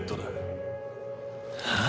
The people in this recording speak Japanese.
ああ？